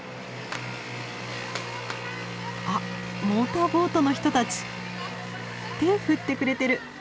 あっモーターボートの人たち手振ってくれてる。